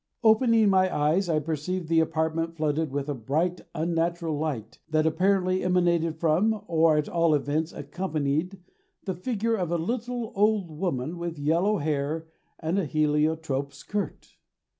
Opening my eyes, I perceived the apartment flooded with a bright unnatural light that apparently emanated from, or at all events accompanied, the figure of a little old woman with yellow hair and a heliotrope skirt.